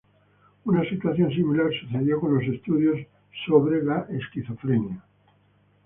Una situación similar sucedió con los estudios acerca de la esquizofrenia.